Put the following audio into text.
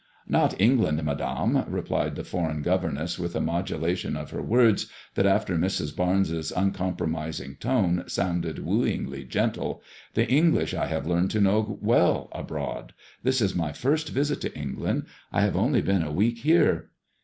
" Not England, Madame," re plied the foreign governess, with a modulation of her words that, after Mrs. Barnes' uncompro mising tone, sounded wooingly gentle; ''the English I have learned to know well abroad. This is my first visit to England ; I have only been a week here."